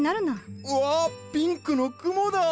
うわピンクの雲だ！